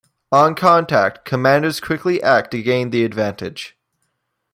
On contact, commanders quickly act to gain the advantage.